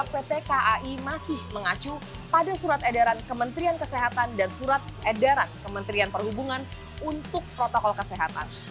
pt kai masih mengacu pada surat edaran kementerian kesehatan dan surat edaran kementerian perhubungan untuk protokol kesehatan